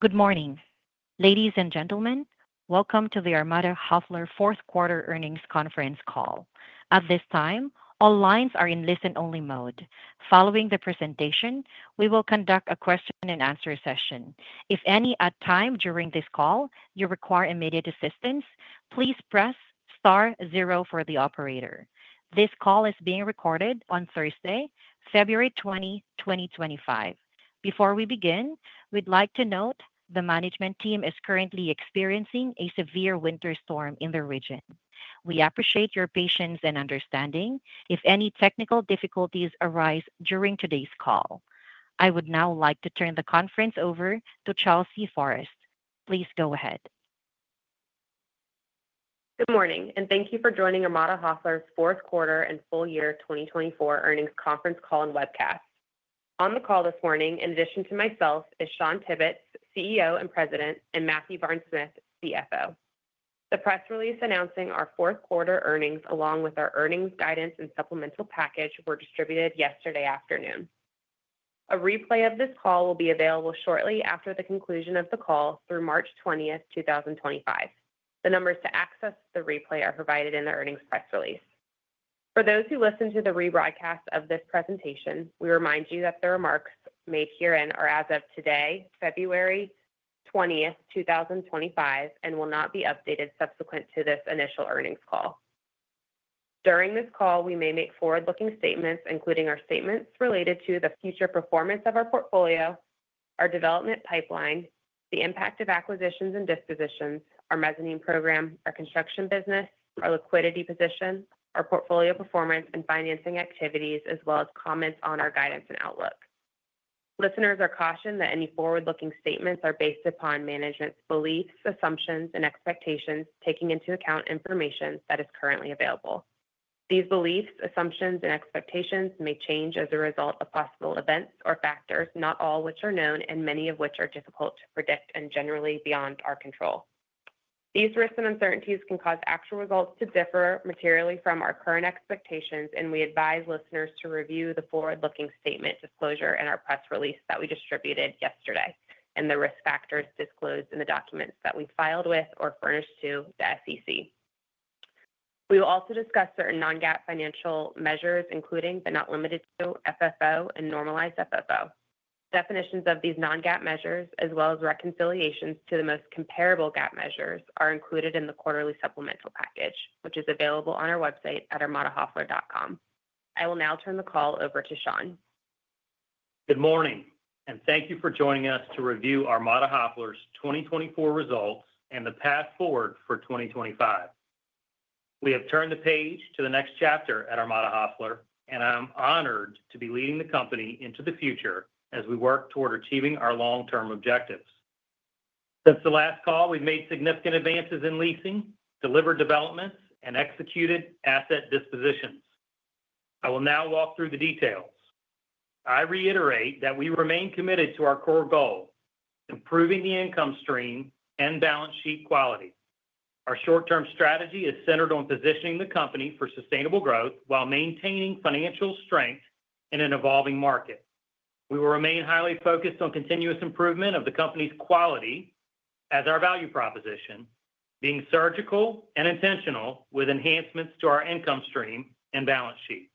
Good morning. Ladies and gentlemen, welcome to the Armada Hoffler Fourth Quarter Earnings Conference call. At this time, all lines are in listen-only mode. Following the presentation, we will conduct a Q&A session. If any time during this call you require immediate assistance, please press star zero for the operator. This call is being recorded on Thursday, February 20, 2025. Before we begin, we'd like to note the management team is currently experiencing a severe winter storm in the region. We appreciate your patience and understanding if any technical difficulties arise during today's call. I would now like to turn the conference over to Chelsea Forrest. Please go ahead. Good morning, and thank you for joining Armada Hoffler's Fourth Quarter and Full Year 2024 Earnings Conference Call and Webcast. On the call this morning, in addition to myself, is Shawn Tibbetts, CEO and President, and Matthew Barnes-Smith, CFO. The press release announcing our Fourth Quarter earnings, along with our earnings guidance and supplemental package, were distributed yesterday afternoon. A replay of this call will be available shortly after the conclusion of the call through March 20, 2025. The numbers to access the replay are provided in the earnings press release. For those who listen to the rebroadcast of this presentation, we remind you that the remarks made herein are, as of today, February 20, 2025, and will not be updated subsequent to this initial earnings call. During this call, we may make forward-looking statements, including our statements related to the future performance of our portfolio, our development pipeline, the impact of acquisitions and dispositions, our mezzanine program, our construction business, our liquidity position, our portfolio performance and financing activities, as well as comments on our guidance and outlook. Listeners are cautioned that any forward-looking statements are based upon management's beliefs, assumptions, and expectations, taking into account information that is currently available. These beliefs, assumptions, and expectations may change as a result of possible events or factors, not all of which are known and many of which are difficult to predict and generally beyond our control. These risks and uncertainties can cause actual results to differ materially from our current expectations, and we advise listeners to review the forward-looking statement disclosure in our press release that we distributed yesterday and the risk factors disclosed in the documents that we filed with or furnished to the SEC. We will also discuss certain non-GAAP financial measures, including but not limited to FFO and normalized FFO. Definitions of these non-GAAP measures, as well as reconciliations to the most comparable GAAP measures, are included in the quarterly supplemental package, which is available on our website at armadahoffler.com. I will now turn the call over to Shawn. Good morning, and thank you for joining us to review Armada Hoffler's 2024 results and the path forward for 2025. We have turned the page to the next chapter at Armada Hoffler, and I'm honored to be leading the company into the future as we work toward achieving our long-term objectives. Since the last call, we've made significant advances in leasing, delivered developments, and executed asset dispositions. I will now walk through the details. I reiterate that we remain committed to our core goal: improving the income stream and balance sheet quality. Our short-term strategy is centered on positioning the company for sustainable growth while maintaining financial strength in an evolving market. We will remain highly focused on continuous improvement of the company's quality as our value proposition, being surgical and intentional with enhancements to our income stream and balance sheet.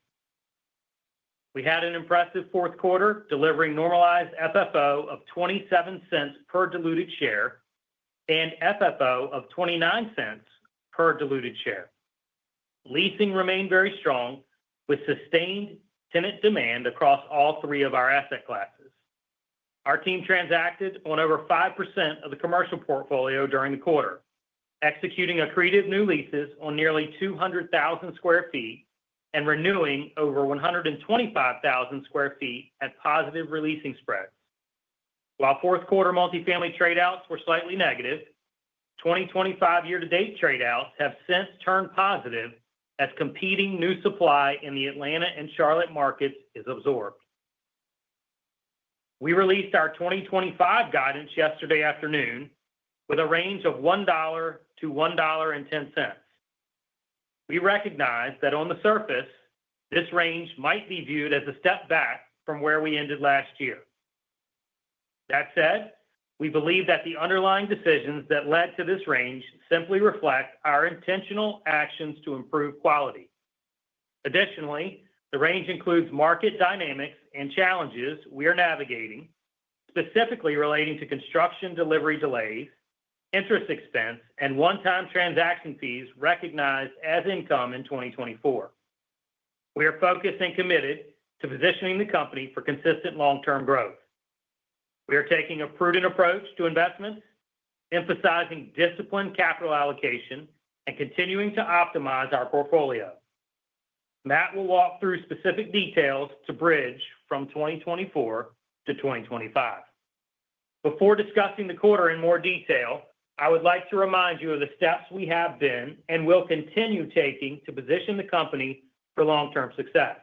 We had an impressive fourth quarter, delivering normalized FFO of $0.27 per diluted share and FFO of $0.29 per diluted share. Leasing remained very strong, with sustained tenant demand across all three of our asset classes. Our team transacted on over five% of the commercial portfolio during the quarter, executing accretive new leases on nearly 200,000 sq ft and renewing over 125,000 sq ft at positive releasing spreads. While fourth quarter multifamily tradeouts were slightly negative, 2025 year-to-date tradeouts have since turned positive as competing new supply in the Atlanta and Charlotte markets is absorbed. We released our 2025 guidance yesterday afternoon with a range of $1-$1.10. We recognize that on the surface, this range might be viewed as a step back from where we ended last year. That said, we believe that the underlying decisions that led to this range simply reflect our intentional actions to improve quality. Additionally, the range includes market dynamics and challenges we are navigating, specifically relating to construction delivery delays, interest expense, and one-time transaction fees recognized as income in 2024. We are focused and committed to positioning the company for consistent long-term growth. We are taking a prudent approach to investments, emphasizing disciplined capital allocation and continuing to optimize our portfolio. Matt will walk through specific details to bridge from 2024 to 2025. Before discussing the quarter in more detail, I would like to remind you of the steps we have been and will continue taking to position the company for long-term success.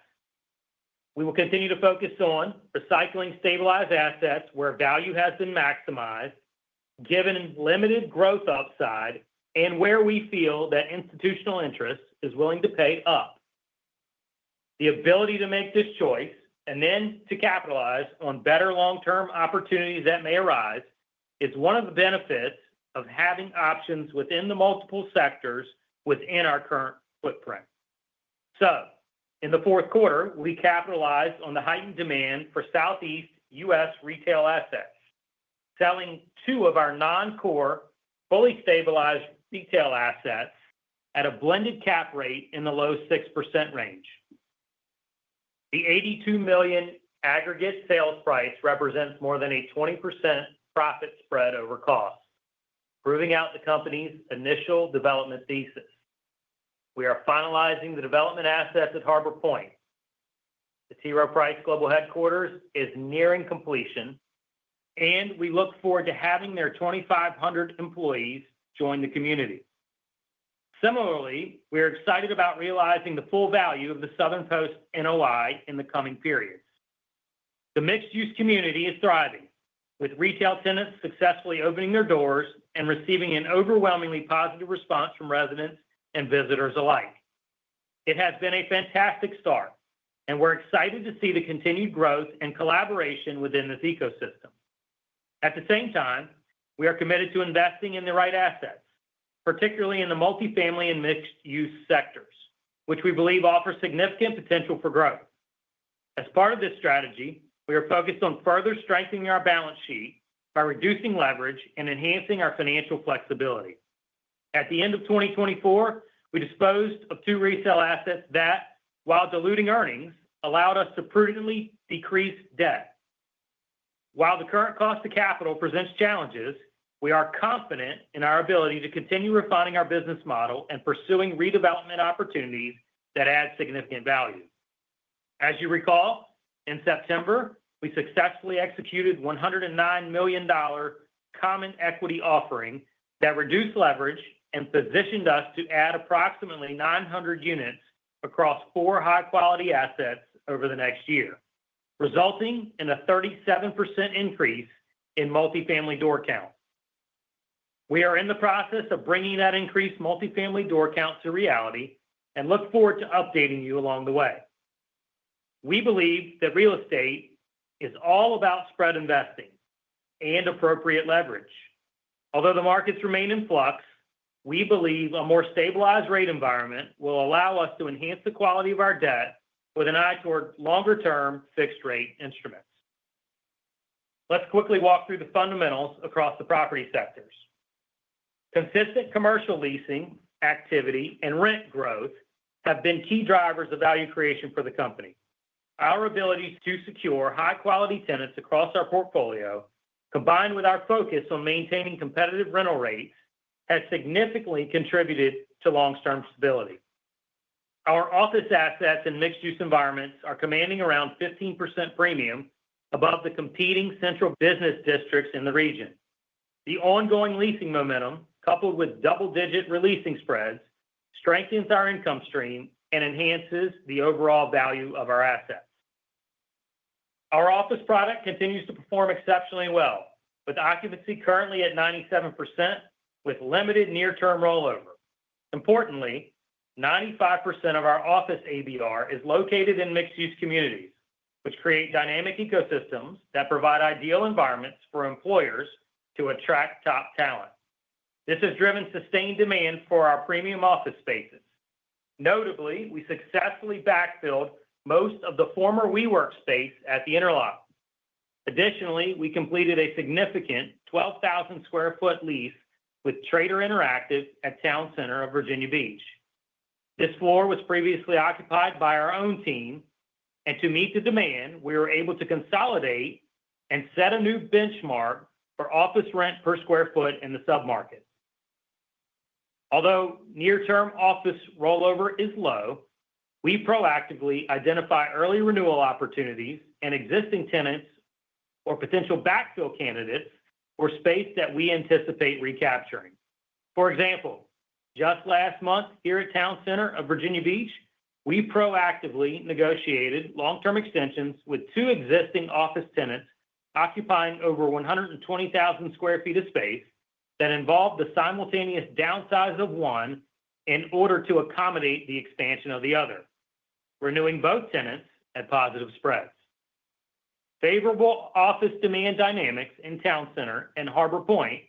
We will continue to focus on recycling stabilized assets where value has been maximized, given limited growth upside, and where we feel that institutional interest is willing to pay up. The ability to make this choice and then to capitalize on better long-term opportunities that may arise is one of the benefits of having options within the multiple sectors within our current footprint. So, in the fourth quarter, we capitalized on the heightened demand for Southeast U.S. retail assets, selling two of our non-core, fully stabilized retail assets at a blended cap rate in the low 6% range. The $82 million aggregate sales price represents more than a 20% profit spread over cost, proving out the company's initial development thesis. We are finalizing the development assets at Harbor Point. The T. Rowe Price Global Headquarters is nearing completion, and we look forward to having their 2,500 employees join the community. Similarly, we are excited about realizing the full value of the Southern Post NOI in the coming period. The mixed-use community is thriving, with retail tenants successfully opening their doors and receiving an overwhelmingly positive response from residents and visitors alike. It has been a fantastic start, and we're excited to see the continued growth and collaboration within this ecosystem. At the same time, we are committed to investing in the right assets, particularly in the multifamily and mixed-use sectors, which we believe offer significant potential for growth. As part of this strategy, we are focused on further strengthening our balance sheet by reducing leverage and enhancing our financial flexibility. At the end of 2024, we disposed of two retail assets that, while diluting earnings, allowed us to prudently decrease debt. While the current cost of capital presents challenges, we are confident in our ability to continue refining our business model and pursuing redevelopment opportunities that add significant value. As you recall, in September, we successfully executed a $109 million common equity offering that reduced leverage and positioned us to add approximately 900 units across four high-quality assets over the next year, resulting in a 37% increase in multifamily door count. We are in the process of bringing that increased multifamily door count to reality and look forward to updating you along the way. We believe that real estate is all about spread investing and appropriate leverage. Although the markets remain in flux, we believe a more stabilized rate environment will allow us to enhance the quality of our debt with an eye toward longer-term fixed-rate instruments. Let's quickly walk through the fundamentals across the property sectors. Consistent commercial leasing activity and rent growth have been key drivers of value creation for the company. Our ability to secure high-quality tenants across our portfolio, combined with our focus on maintaining competitive rental rates, has significantly contributed to long-term stability. Our office assets and mixed-use environments are commanding around 15% premium above the competing central business districts in the region. The ongoing leasing momentum, coupled with double-digit releasing spreads, strengthens our income stream and enhances the overall value of our assets. Our office product continues to perform exceptionally well, with occupancy currently at 97%, with limited near-term rollover. Importantly, 95% of our office ABR is located in mixed-use communities, which create dynamic ecosystems that provide ideal environments for employers to attract top talent. This has driven sustained demand for our premium office spaces. Notably, we successfully backfilled most of the former WeWork space at The Interlock. Additionally, we completed a significant 12,000 sq ft lease with Trader Interactive at Town Center of Virginia Beach. This floor was previously occupied by our own team, and to meet the demand, we were able to consolidate and set a new benchmark for office rent per square foot in the submarket. Although near-term office rollover is low, we proactively identify early renewal opportunities and existing tenants or potential backfill candidates for space that we anticipate recapturing. For example, just last month here at Town Center of Virginia Beach, we proactively negotiated long-term extensions with two existing office tenants occupying over 120,000 sq ft of space that involved the simultaneous downsize of one in order to accommodate the expansion of the other, renewing both tenants at positive spreads. Favorable office demand dynamics in Town Center and Harbor Point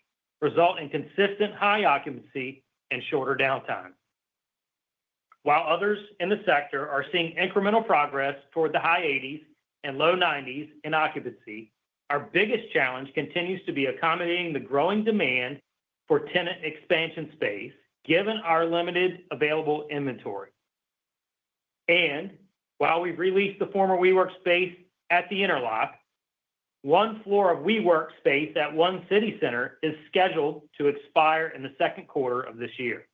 result in consistent high occupancy and shorter downtime. While others in the sector are seeing incremental progress toward the high 80s and low 90s in occupancy, our biggest challenge continues to be accommodating the growing demand for tenant expansion space, given our limited available inventory, and while we've released the former WeWork space at The Interlock, one floor of WeWork space at One City Center is scheduled to expire in the second quarter of this year.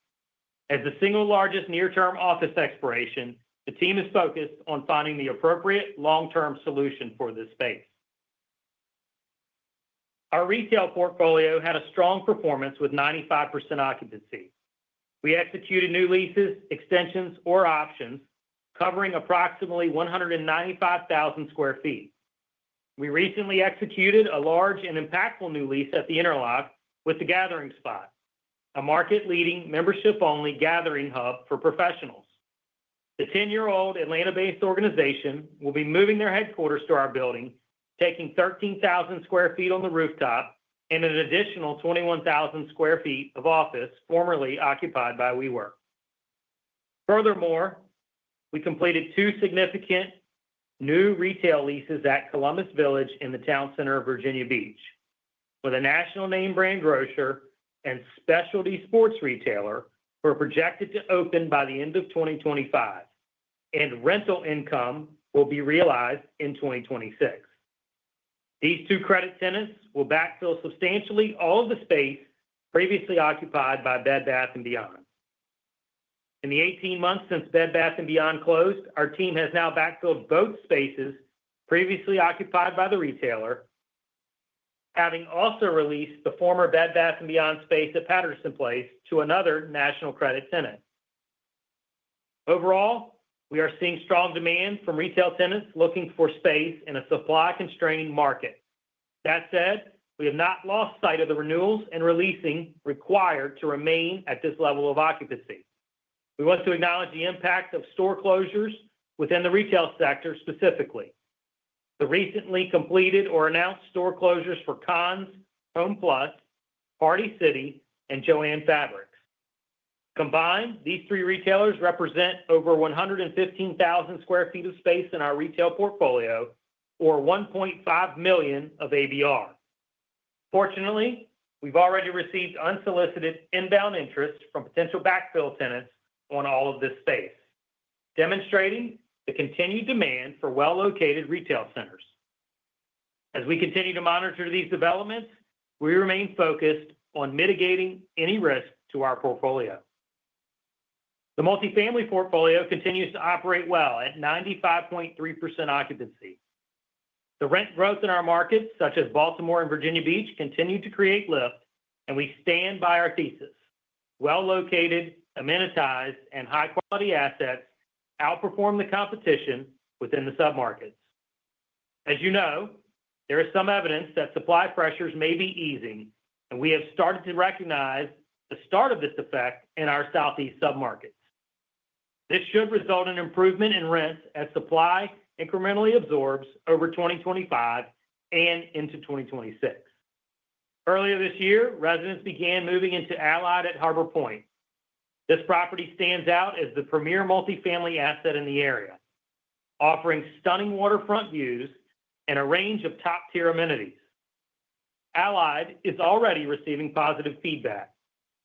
As the single largest near-term office expiration, the team is focused on finding the appropriate long-term solution for this space. Our retail portfolio had a strong performance with 95% occupancy. We executed new leases, extensions, or options, covering approximately 195,000 sq ft. We recently executed a large and impactful new lease at The Interlock with The Gathering Spot, a market-leading membership-only gathering hub for professionals. The 10-year-old Atlanta-based organization will be moving their headquarters to our building, taking 13,000 sq ft on the rooftop and an additional 21,000 sq ft of office formerly occupied by WeWork. Furthermore, we completed two significant new retail leases at Columbus Village in the Town Center of Virginia Beach. With a national name brand grocer and specialty sports retailer, we're projected to open by the end of 2025, and rental income will be realized in 2026. These two credit tenants will backfill substantially all of the space previously occupied by Bed Bath & Beyond. In the 18 months since Bed Bath & Beyond closed, our team has now backfilled both spaces previously occupied by the retailer, having also released the former Bed Bath & Beyond space at Patterson Place to another national credit tenant. Overall, we are seeing strong demand from retail tenants looking for space in a supply-constrained market. That said, we have not lost sight of the renewals and releasing required to remain at this level of occupancy. We want to acknowledge the impact of store closures within the retail sector specifically. The recently completed or announced store closures for Conn's HomePlus, Party City, and Joann. Combined, these three retailers represent over 115,000 sq ft of space in our retail portfolio, or $1.5 million of ABR. Fortunately, we've already received unsolicited inbound interest from potential backfill tenants on all of this space, demonstrating the continued demand for well-located retail centers. As we continue to monitor these developments, we remain focused on mitigating any risk to our portfolio. The multifamily portfolio continues to operate well at 95.3% occupancy. The rent growth in our markets, such as Baltimore and Virginia Beach, continued to create lift, and we stand by our thesis: well-located, amenitized, and high-quality assets outperform the competition within the submarkets. As you know, there is some evidence that supply pressures may be easing, and we have started to recognize the start of this effect in our Southeast submarkets. This should result in improvement in rents as supply incrementally absorbs over 2025 and into 2026. Earlier this year, residents began moving into Allied at Harbor Point. This property stands out as the premier multifamily asset in the area, offering stunning waterfront views and a range of top-tier amenities. Allied is already receiving positive feedback,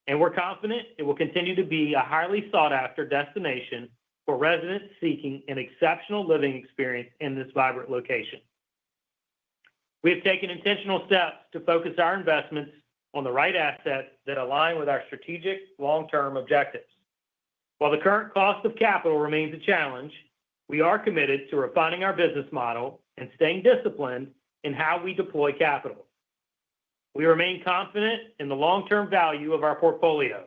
and we're confident it will continue to be a highly sought-after destination for residents seeking an exceptional living experience in this vibrant location. We have taken intentional steps to focus our investments on the right assets that align with our strategic long-term objectives. While the current cost of capital remains a challenge, we are committed to refining our business model and staying disciplined in how we deploy capital. We remain confident in the long-term value of our portfolio,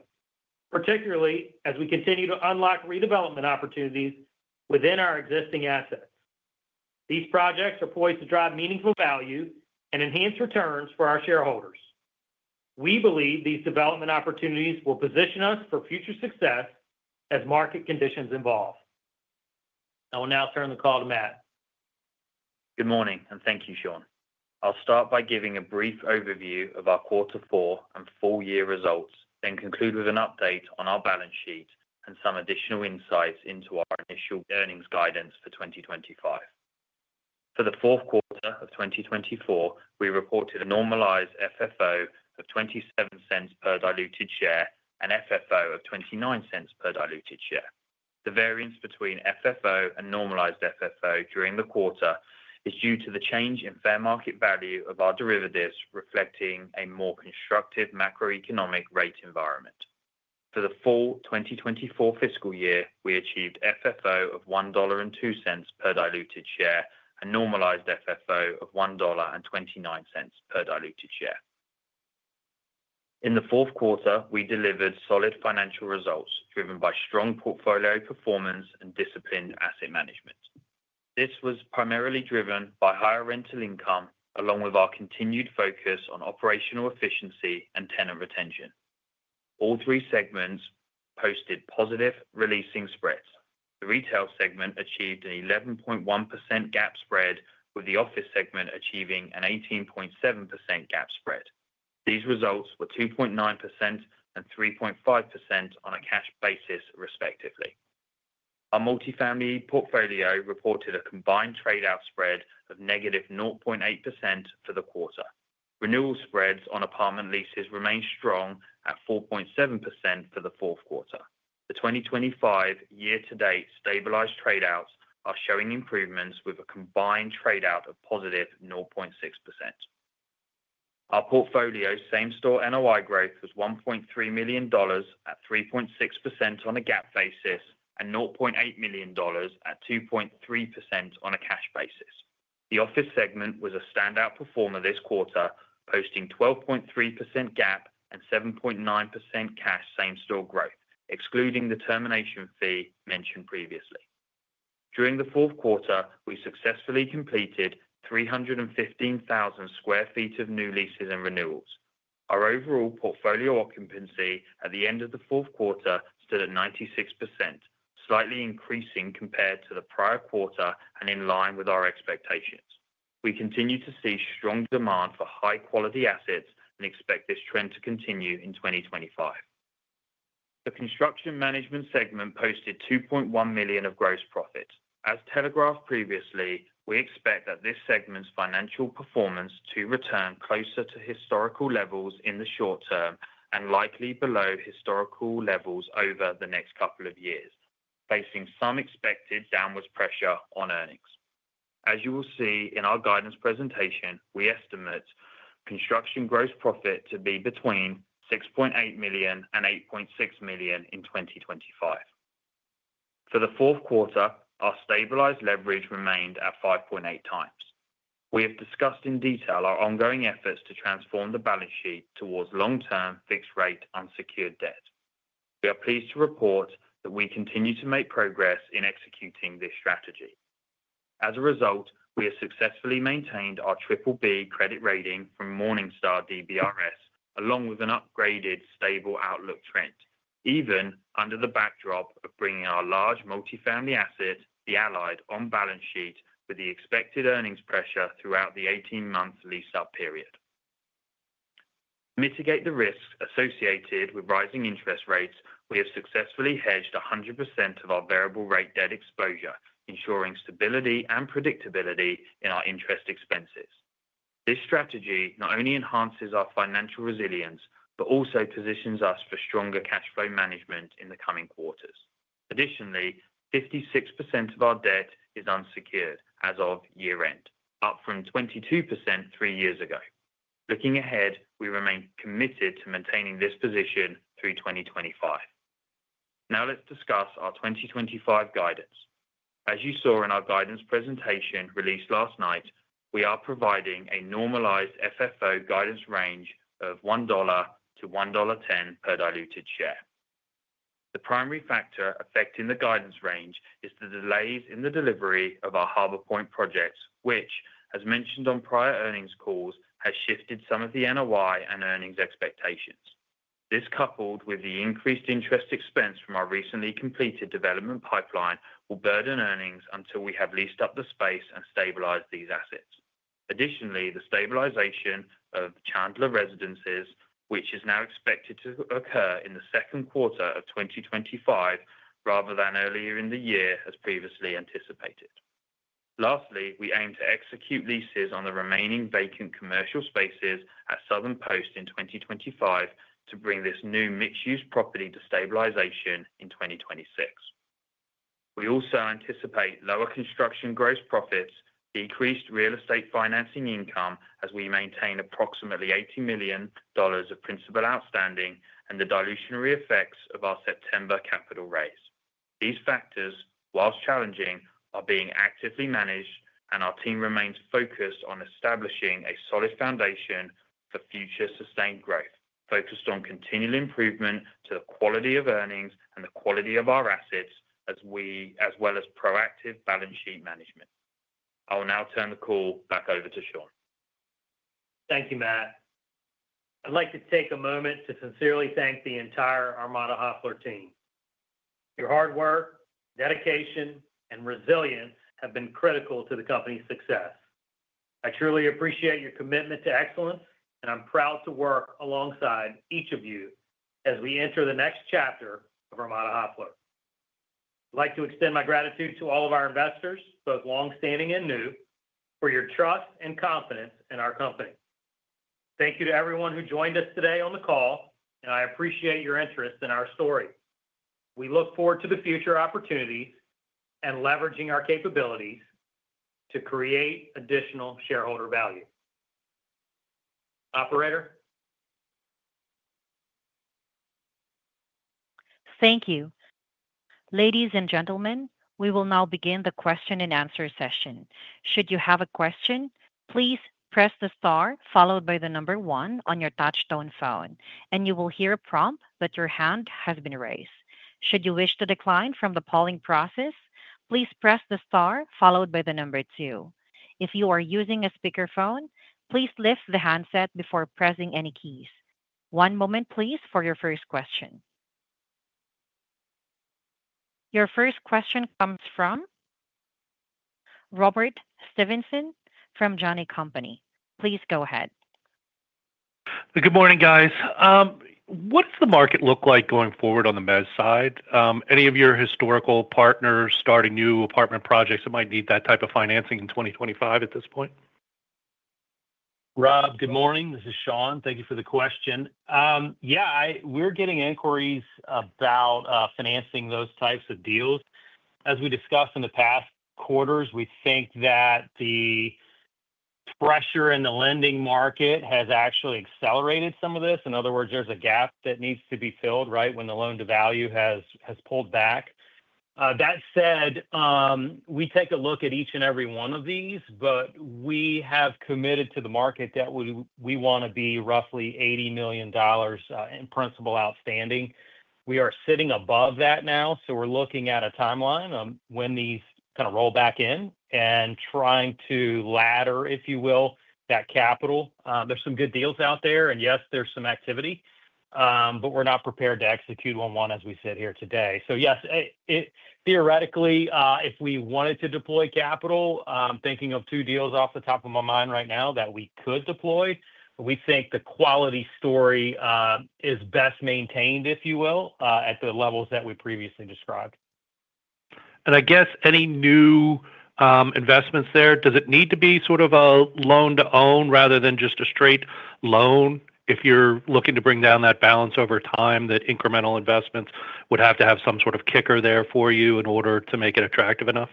particularly as we continue to unlock redevelopment opportunities within our existing assets. These projects are poised to drive meaningful value and enhance returns for our shareholders. We believe these development opportunities will position us for future success as market conditions evolve. I will now turn the call to Matt. Good morning, and thank you, Shawn. I'll start by giving a brief overview of our quarter four and full-year results, then conclude with an update on our balance sheet and some additional insights into our initial earnings guidance for 2025. For the fourth quarter of 2024, we reported a normalized FFO of $0.27 per diluted share and FFO of $0.29 per diluted share. The variance between FFO and normalized FFO during the quarter is due to the change in fair market value of our derivatives, reflecting a more constructive macroeconomic rate environment. For the full 2024 fiscal year, we achieved FFO of $1.02 per diluted share and normalized FFO of $1.29 per diluted share. In the fourth quarter, we delivered solid financial results driven by strong portfolio performance and disciplined asset management. This was primarily driven by higher rental income, along with our continued focus on operational efficiency and tenant retention. All three segments posted positive releasing spreads. The retail segment achieved an 11.1% GAAP spread, with the office segment achieving an 18.7% GAAP spread. These results were 2.9% and 3.5% on a cash basis, respectively. Our multifamily portfolio reported a combined tradeout spread of negative 0.8% for the quarter. Renewal spreads on apartment leases remained strong at 4.7% for the fourth quarter. The 2025 year-to-date stabilized tradeouts are showing improvements, with a combined tradeout of positive 0.6%. Our portfolio same-store NOI growth was $1.3 million at 3.6% on a GAAP basis and $0.8 million at 2.3% on a cash basis. The office segment was a standout performer this quarter, posting 12.3% GAAP and 7.9% cash same-store growth, excluding the termination fee mentioned previously. During the fourth quarter, we successfully completed 315,000 sq ft of new leases and renewals. Our overall portfolio occupancy at the end of the fourth quarter stood at 96%, slightly increasing compared to the prior quarter and in line with our expectations. We continue to see strong demand for high-quality assets and expect this trend to continue in 2025. The construction management segment posted $2.1 million of gross profit. As telegraphed previously, we expect that this segment's financial performance to return closer to historical levels in the short term and likely below historical levels over the next couple of years, facing some expected downward pressure on earnings. As you will see in our guidance presentation, we estimate construction gross profit to be between $6.8 million and $8.6 million in 2025. For the fourth quarter, our stabilized leverage remained at 5.8 times. We have discussed in detail our ongoing efforts to transform the balance sheet towards long-term fixed-rate unsecured debt. We are pleased to report that we continue to make progress in executing this strategy. As a result, we have successfully maintained our Triple B credit rating from Morningstar DBRS, along with an upgraded stable outlook trend, even under the backdrop of bringing our large multifamily asset, the Allied, on balance sheet with the expected earnings pressure throughout the 18-month lease-up period. To mitigate the risks associated with rising interest rates, we have successfully hedged 100% of our variable-rate debt exposure, ensuring stability and predictability in our interest expenses. This strategy not only enhances our financial resilience but also positions us for stronger cash flow management in the coming quarters. Additionally, 56% of our debt is unsecured as of year-end, up from 22% three years ago. Looking ahead, we remain committed to maintaining this position through 2025. Now, let's discuss our 2025 guidance. As you saw in our guidance presentation released last night, we are providing a normalized FFO guidance range of $1.00-$1.10 per diluted share. The primary factor affecting the guidance range is the delays in the delivery of our Harbor Point projects, which, as mentioned on prior earnings calls, has shifted some of the NOI and earnings expectations. This, coupled with the increased interest expense from our recently completed development pipeline, will burden earnings until we have leased up the space and stabilized these assets. Additionally, the stabilization of Chandler Residences, which is now expected to occur in the second quarter of 2025 rather than earlier in the year, as previously anticipated. Lastly, we aim to execute leases on the remaining vacant commercial spaces at Southern Post in 2025 to bring this new mixed-use property to stabilization in 2026. We also anticipate lower construction gross profits, decreased real estate financing income as we maintain approximately $80 million of principal outstanding, and the dilutionary effects of our September capital raise. These factors, while challenging, are being actively managed, and our team remains focused on establishing a solid foundation for future sustained growth, focused on continual improvement to the quality of earnings and the quality of our assets, as well as proactive balance sheet management. I will now turn the call back over to Shawn. Thank you, Matt. I'd like to take a moment to sincerely thank the entire Armada Hoffler team. Your hard work, dedication, and resilience have been critical to the company's success. I truly appreciate your commitment to excellence, and I'm proud to work alongside each of you as we enter the next chapter of Armada Hoffler. I'd like to extend my gratitude to all of our investors, both longstanding and new, for your trust and confidence in our company. Thank you to everyone who joined us today on the call, and I appreciate your interest in our story. We look forward to the future opportunities and leveraging our capabilities to create additional shareholder value. Operator. Thank you. Ladies and gentlemen, we will now begin the question-and-answer session. Should you have a question, please press the star followed by the number one on your touch-tone phone, and you will hear a prompt that your hand has been raised. Should you wish to decline from the polling process, please press the star followed by the number two. If you are using a speakerphone, please lift the handset before pressing any keys. One moment, please, for your first question. Your first question comes from Robert Stevenson from Janney Montgomery Scott. Please go ahead. Good morning, guys. What does the market look like going forward on the mezz side? Any of your historical partners starting new apartment projects that might need that type of financing in 2025 at this point? Rob, good morning. This is Shawn. Thank you for the question. We're getting inquiries about financing those types of deals. As we discussed in the past quarters, we think that the pressure in the lending market has actually accelerated some of this. In other words, there's a gap that needs to be filled right when the loan-to-value has pulled back. That said, we take a look at each and every one of these, but we have committed to the market that we want to be roughly $80 million in principal outstanding. We are sitting above that now, so we're looking at a timeline when these roll back in and trying to ladder, if you will, that capital. There's some good deals out there, and yes, there's some activity, but we're not prepared to execute on one as we sit here today. So yes, theoretically, if we wanted to deploy capital, I'm thinking of two deals off the top of my mind right now that we could deploy, but we think the quality story is best maintained, if you will, at the levels that we previously described. And any new investments there, does it need to be a loan-to-own rather than just a straight loan if you're looking to bring down that balance over time that incremental investments would have to have some kicker there for you in order to make it attractive enough?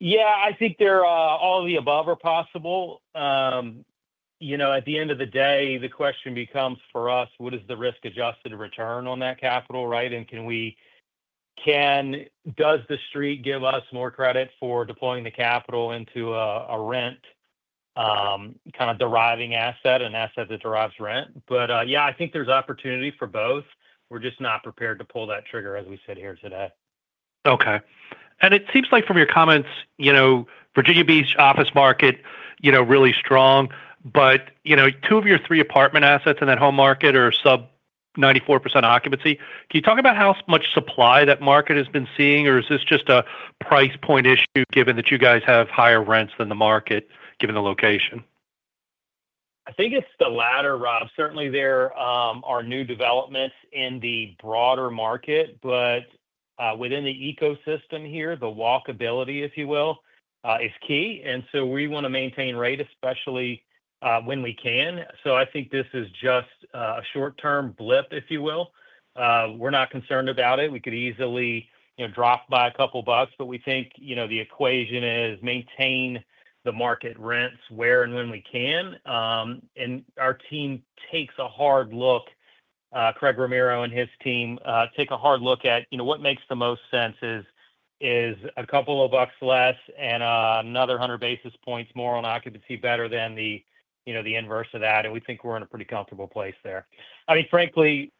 All of the above are possible. At the end of the day, the question becomes for us, what is the risk-adjusted return on that capital, right? And does the street give us more credit for deploying the capital into a rent deriving asset, an asset that derives rent? But there's opportunity for both. We're just not prepared to pull that trigger as we sit here today. Okay. And it seems like from your comments, Virginia Beach office market really strong, but two of your three apartment assets in that home market are sub-94% occupancy. Can you talk about how much supply that market has been seeing, or is this just a price point issue given that you guys have higher rents than the market given the location? It's the latter, Rob. Certainly, there are new developments in the broader market, but within the ecosystem here, the walkability, if you will, is key, and so we want to maintain rate, especially when we can, so this is just a short-term blip, if you will. We're not concerned about it. We could easily drop by a couple of bucks, but we think the equation is maintain the market rents where and when we can, and our team takes a hard look. Craig Romero and his team take a hard look at what makes the most sense is a couple of bucks less and another 100 basis points more on occupancy better than the inverse of that, and we think we're in a pretty comfortable place there. I mean, frankly,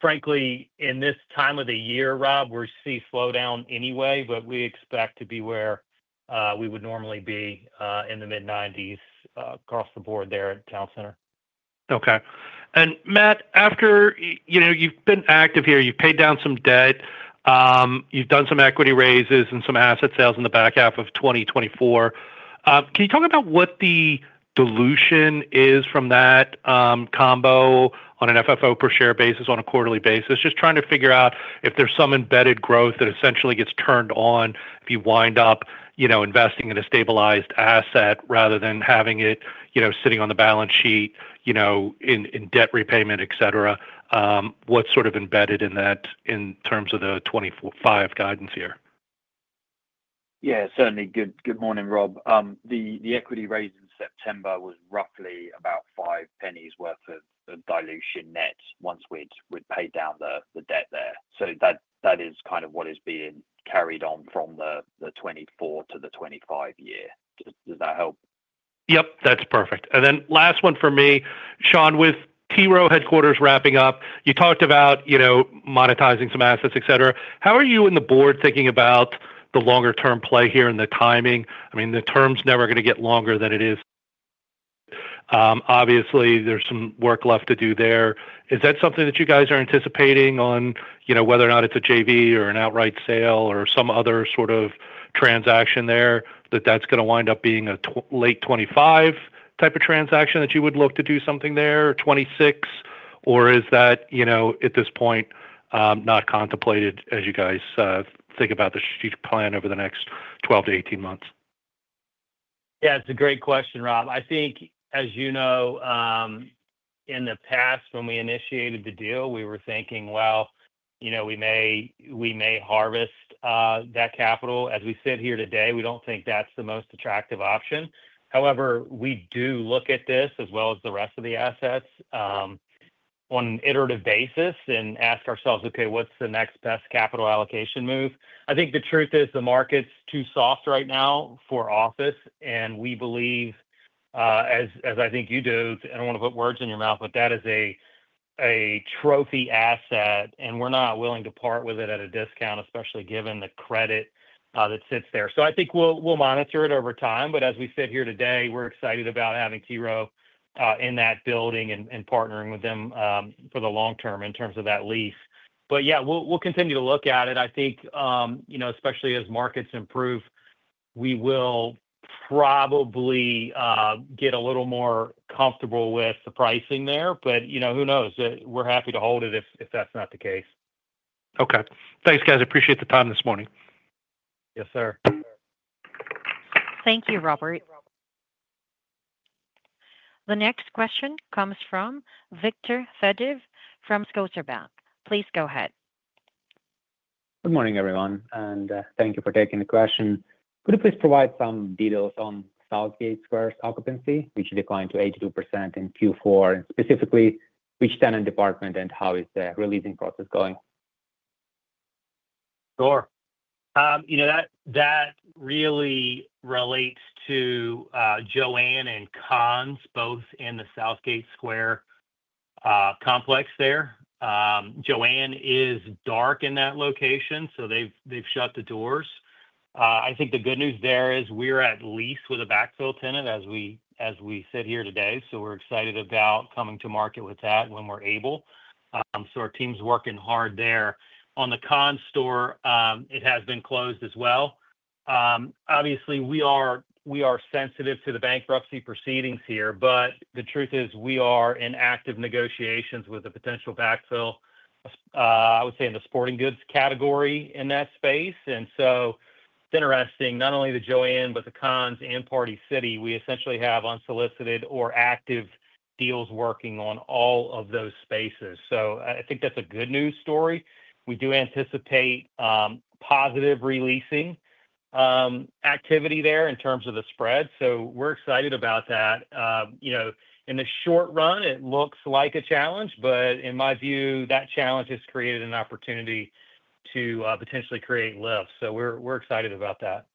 in this time of the year, Rob, we're seeing a slowdown anyway, but we expect to be where we would normally be in the mid-90s across the board there at Town Center. Okay. And Matt, after you've been active here, you've paid down some debt, you've done some equity raises and some asset sales in the back half of 2024. Can you talk about what the dilution is from that combo on an FFO per share basis on a quarterly basis? Just trying to figure out if there's some embedded growth that essentially gets turned on if you wind up investing in a stabilized asset rather than having it sitting on the balance sheet in debt repayment, etc. What's embedded in that in terms of the 2025 guidance here? Certainly. Good morning, Rob. The equity raise in September was roughly about $0.05 worth of dilution net once we'd paid down the debt there. So that is what is being carried on from 2024 to 2025. Does that help? Yep, that's perfect. And then last one for me, Shawn, with T. Rowe Headquarters wrapping up, you talked about monetizing some assets, etc. How are you and the board thinking about the longer-term play here and the timing? I mean, the term's never going to get longer than it is. Obviously, there's some work left to do there. Is that something that you guys are anticipating on whether or not it's a JV or an outright sale or some other transaction there that that's going to wind up being a late 2025 type of transaction that you would look to do something there or 2026?Or is that at this point not contemplated as you guys think about the strategic plan over the next 12 to 18 months? It's a great question, Rob. As you know, in the past, when we initiated the deal, we were thinking, well, we may harvest that capital. As we sit here today, we don't think that's the most attractive option. However, we do look at this as well as the rest of the assets on an iterative basis and ask ourselves, okay, what's the next best capital allocation move? The truth is the market's too soft right now for office, and we believe, as you do, I don't want to put words in your mouth, but that is a trophy asset, and we're not willing to part with it at a discount, especially given the credit that sits there. We'll monitor it over time, but as we sit here today, we're excited about having T. Rowe in that building and partnering with them for the long term in terms of that lease. But we'll continue to look at it. Especially as markets improve, we will probably get a little more comfortable with the pricing there, but who knows? We're happy to hold it if that's not the case. Okay. Thanks, guys. Appreciate the time this morning. Yes, sir. Thank you, Robert. The next question comes from Victor Fadool from Scotiabank. Please go ahead. Good morning, everyone, and thank you for taking the question. Could you please provide some details on Southgate Square's occupancy, which declined to 82% in Q4, and specifically which tenant departed and how is the releasing process going? Sure. That really relates to Joann and Conn's, both in the Southgate Square complex there. Joann is dark in that location, so they've shut the doors. The good news there is we're at least with a backfill tenant as we sit here today, so we're excited about coming to market with that when we're able. So our team's working hard there. On the Conn's store, it has been closed as well. Obviously, we are sensitive to the bankruptcy proceedings here, but the truth is we are in active negotiations with a potential backfill, I would say, in the sporting goods category in that space. And so it's interesting, not only the Joann, but the Conn's and Party City, we essentially have unsolicited or active deals working on all of those spaces. So that's a good news story. We do anticipate positive releasing activity there in terms of the spread. So we're excited about that. In the short run, it looks like a challenge, but in my view, that challenge has created an opportunity to potentially create lift. So we're excited about that.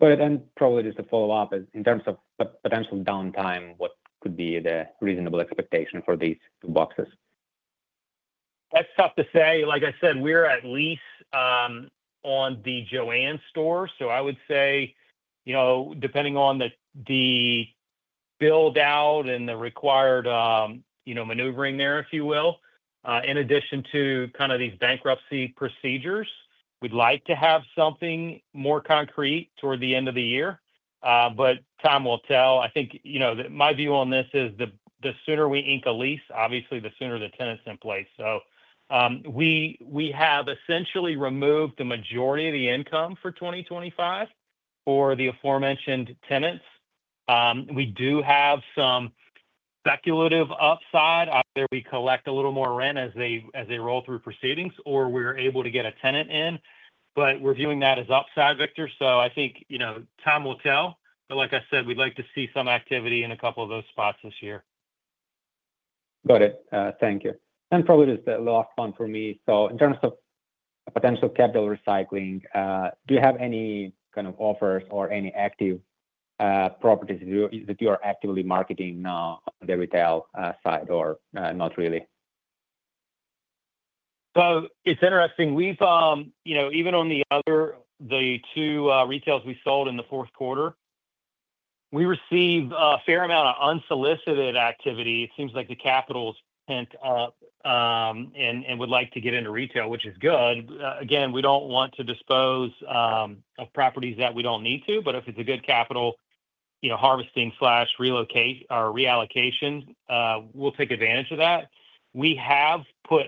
And probably just to follow up, in terms of the potential downtime, what could be the reasonable expectation for these two boxes? That's tough to say. Like I said, we're at least on the Joann store. So I would say, depending on the build-out and the required maneuvering there, if you will, in addition to these bankruptcy procedures, we'd like to have something more concrete toward the end of the year. But time will tell. My view on this is the sooner we ink a lease, obviously, the sooner the tenant's in place. So we have essentially removed the majority of the income for 2025 for the aforementioned tenants. We do have some speculative upside. Either we collect a little more rent as they roll through proceedings, or we're able to get a tenant in. But we're viewing that as upside, Victor. So time will tell. But like I said, we'd like to see some activity in a couple of those spots this year. Got it. Thank you. And probably just the last one for me. So in terms of potential capital recycling, do you have any offers or any active properties that you are actively marketing now on the retail side or not really? So it's interesting. Even on the other two retails we sold in the fourth quarter, we receive a fair amount of unsolicited activity. It seems like the capital's pent up and would like to get into retail, which is good. Again, we don't want to dispose of properties that we don't need to, but if it's a good capital harvesting/reallocation, we'll take advantage of that. We have put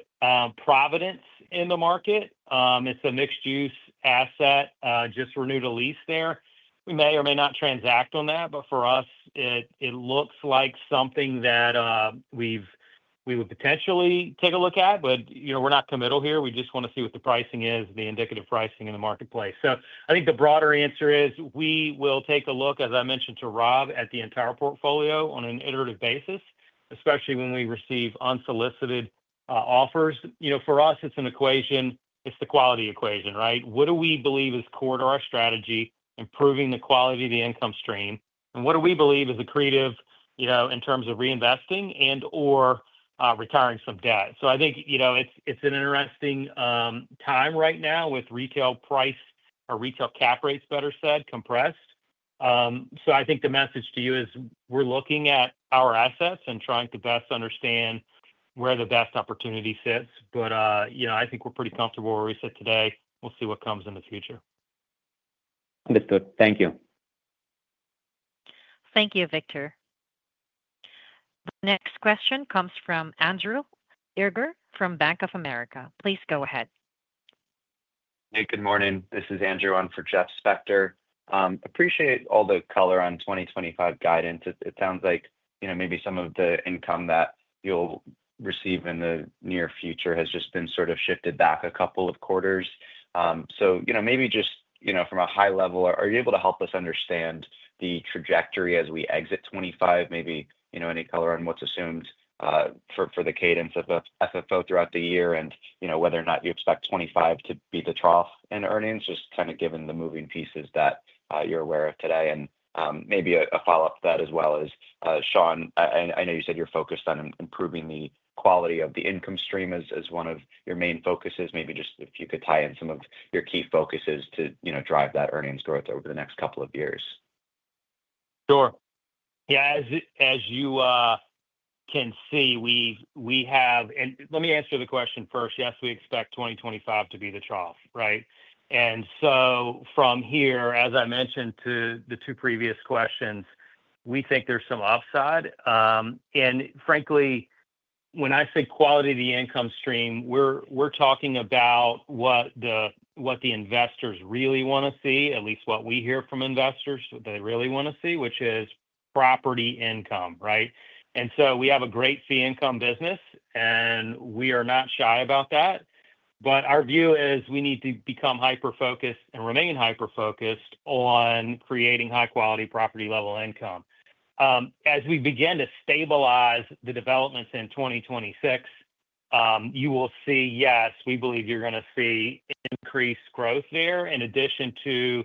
Providence in the market. It's a mixed-use asset just renewed a lease there. We may or may not transact on that, but for us, it looks like something that we would potentially take a look at, but we're not committal here. We just want to see what the pricing is, the indicative pricing in the marketplace. So the broader answer is we will take a look, as I mentioned to Rob, at the entire portfolio on an iterative basis, especially when we receive unsolicited offers. For us, it's an equation. It's the quality equation, right? What do we believe is core to our strategy, improving the quality of the income stream? And what do we believe is accretive in terms of reinvesting and/or retiring some debt? So it's an interesting time right now with retail price or retail cap rates, better said, compressed. So the message to you is we're looking at our assets and trying to best understand where the best opportunity sits. But we're pretty comfortable where we sit today. We'll see what comes in the future. Understood. Thank you. Thank you, Victor. The next question comes from Andrew Eiger from Bank of America. Please go ahead. Good morning. This is Andrew on for Jeff Spector. Appreciate all the color on 2025 guidance. It sounds like maybe some of the income that you'll receive in the near future has just been shifted back a couple of quarters, so maybe just from a high level, are you able to help us understand the trajectory as we exit 25, maybe any color on what's assumed for the cadence of FFO throughout the year and whether or not you expect 25 to be the trough in earnings, just given the moving pieces that you're aware of today, and maybe a follow-up to that as well is, Shawn, I know you said you're focused on improving the quality of the income stream as one of your main focuses. Maybe just if you could tie in some of your key focuses to drive that earnings growth over the next couple of years. As you can see, we have, and let me answer the question first. Yes, we expect 2025 to be the trough, right? And so from here, as I mentioned to the two previous questions, we think there's some upside. And frankly, when I say quality of the income stream, we're talking about what the investors really want to see, at least what we hear from investors that they really want to see, which is property income, right? And so we have a great fee income business, and we are not shy about that. But our view is we need to become hyper-focused and remain hyper-focused on creating high-quality property-level income. As we begin to stabilize the developments in 2026, you will see, yes, we believe you're going to see increased growth there in addition to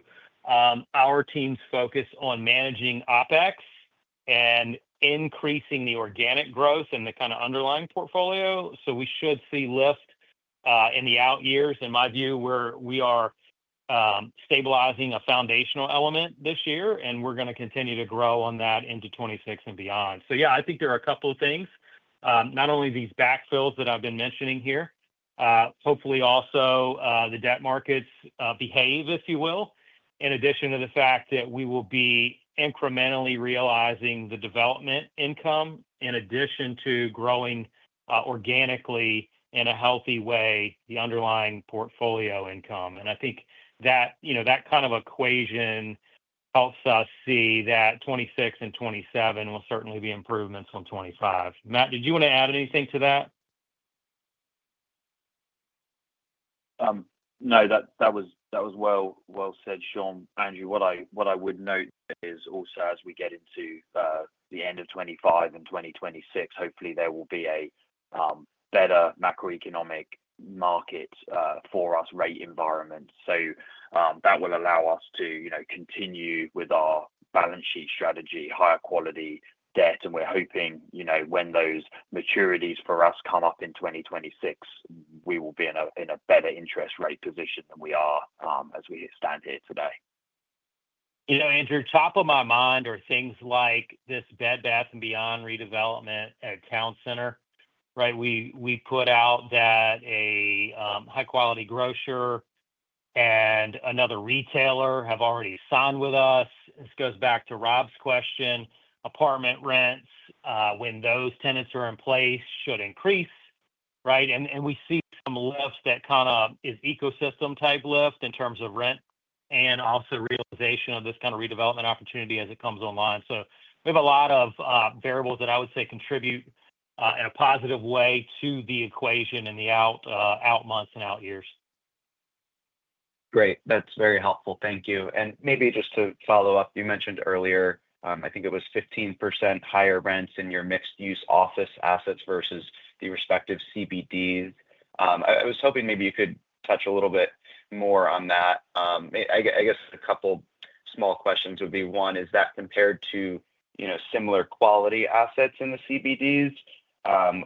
our team's focus on managing OpEx and increasing the organic growth and the underlying portfolio, so we should see lift in the out years. In my view, we are stabilizing a foundational element this year, and we're going to continue to grow on that into 2026 and beyond, so there are a couple of things, not only these backfills that I've been mentioning here, hopefully also the debt markets behave, if you will, in addition to the fact that we will be incrementally realizing the development income in addition to growing organically in a healthy way the underlying portfolio income, and that equation helps us see that 2026 and 2027 will certainly be improvements on 2025. Matt, did you want to add anything to that? No, that was well said, Shawn. Andrew, what I would note is also as we get into the end of 2025 and 2026, hopefully there will be a better macroeconomic market for us rate environment. So that will allow us to continue with our balance sheet strategy, higher quality debt. We're hoping when those maturities for us come up in 2026, we will be in a better interest rate position than we are as we stand here today. Andrew, top of my mind are things like this Bed Bath & Beyond redevelopment at Town Center, right? We put out that a high-quality grocer and another retailer have already signed with us. This goes back to Rob's question. Apartment rents, when those tenants are in place, should increase, right? And we see some lift that is ecosystem-type lift in terms of rent and also realization of this redevelopment opportunity as it comes online. So we have a lot of variables that I would say contribute in a positive way to the equation in the out months and out years. Great. That's very helpful. Thank you. And maybe just to follow up, you mentioned earlier, it was 15% higher rents in your mixed-use office assets versus the respective CBDs. I was hoping maybe you could touch a little bit more on that. A couple of small questions would be, one, is that compared to similar quality assets in the CBDs,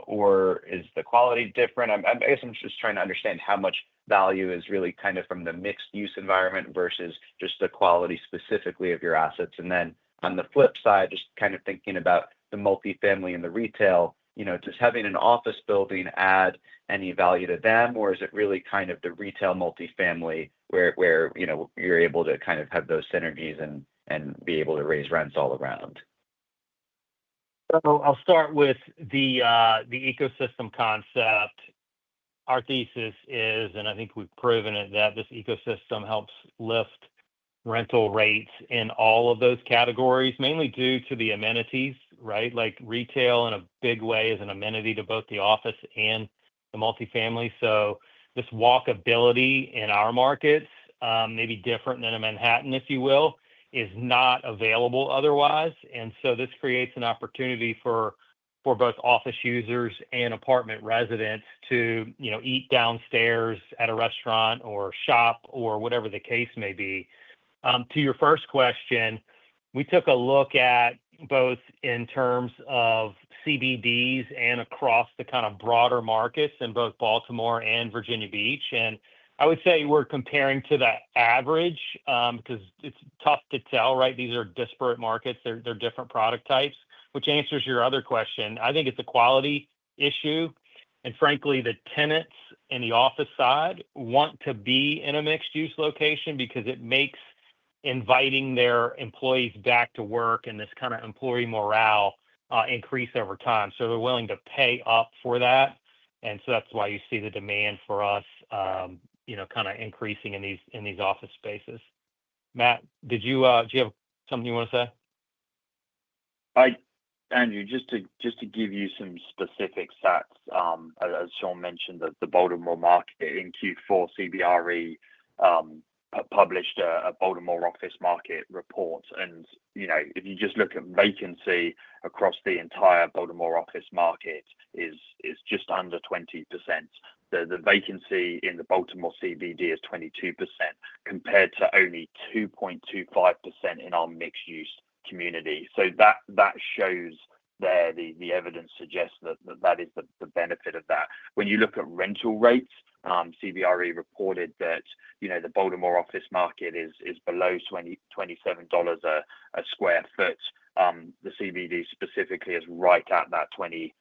or is the quality different? I'm just trying to understand how much value is really from the mixed-use environment versus just the quality specifically of your assets. And then on the flip side, just thinking about the multifamily and the retail, does having an office building add any value to them, or is it really the retail multifamily where you're able to have those synergies and be able to raise rents all around? So I'll start with the ecosystem concept. Our thesis is, and we've proven it, that this ecosystem helps lift rental rates in all of those categories, mainly due to the amenities, right? Like retail in a big way is an amenity to both the office and the multifamily. So this walkability in our markets, maybe different than a Manhattan, if you will, is not available otherwise. And so this creates an opportunity for both office users and apartment residents to eat downstairs at a restaurant or shop or whatever the case may be. To your first question, we took a look at both in terms of CBDs and across the broader markets in both Baltimore and Virginia Beach, and I would say we're comparing to the average because it's tough to tell, right? These are disparate markets. They're different product types, which answers your other question. It's a quality issue, and frankly, the tenants in the office side want to be in a mixed-use location because it makes inviting their employees back to work and this employee morale increase over time, so they're willing to pay up for that, and so that's why you see the demand for us increasing in these office spaces. Matt, do you have something you want to say? Andrew, just to give you some specific stats, as Shawn mentioned, the Baltimore market in Q4, CBRE published a Baltimore office market report, and if you just look at vacancy across the entire Baltimore office market, it's just under 20%. The vacancy in the Baltimore CBD is 22% compared to only 2.25% in our mixed-use community. So that shows there the evidence suggests that that is the benefit of that. When you look at rental rates, CBRE reported that the Baltimore office market is below $27 sq ft. The CBD specifically is right at that $27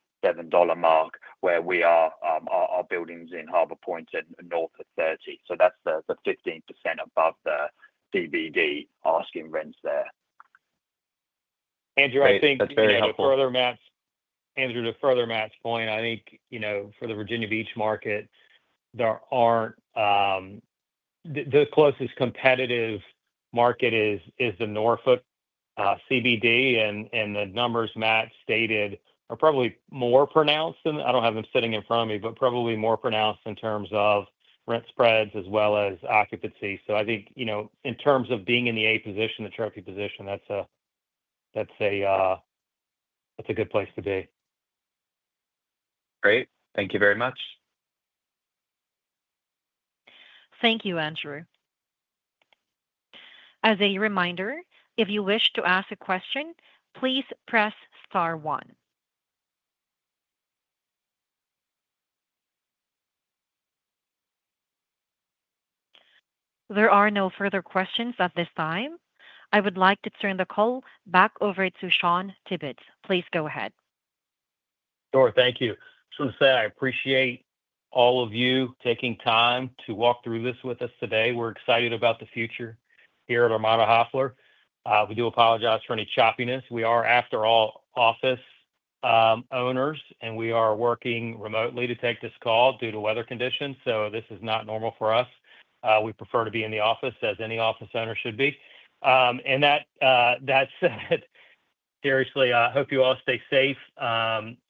mark where we are our buildings in Harbor Point and north of 30. So that's the 15% above the CBD asking rents there. Andrew, that's very helpful. To further Matt's point, for the Virginia Beach market, the closest competitive market is the Norfolk CBD. And the numbers Matt stated are probably more pronounced. I don't have them sitting in front of me, but probably more pronounced in terms of rent spreads as well as occupancy. So in terms of being in the A position, the trophy position, that's a good place to be. Great. Thank you very much. Thank you, Andrew. As a reminder, if you wish to ask a question, please press star one. There are no further questions at this time. I would like to turn the call back over to Shawn Tibbetts. Please go ahead. Sure. Thank you. I just want to say I appreciate all of you taking time to walk through this with us today. We're excited about the future here at Armada Hoffler. We do apologize for any choppiness. We are, after all, office owners, and we are working remotely to take this call due to weather conditions. So this is not normal for us. We prefer to be in the office as any office owner should be. And that said, seriously, I hope you all stay safe,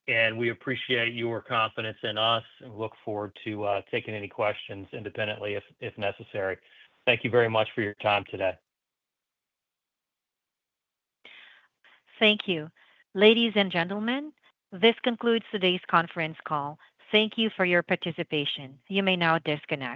and we appreciate your confidence in us, and we look forward to taking any questions independently if necessary. Thank you very much for your time today. Thank you. Ladies and gentlemen, this concludes today's conference call. Thank you for your participation. You may now disconnect.